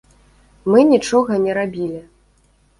Мы нічога не рабілі.